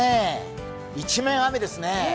一面雨ですね。